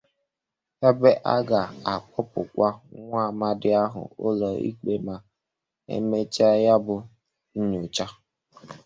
ebe a ga-akpụpụkwa nwa amadi ahụ ụlọ ikpe ma e mechaa ya bụ nnyocha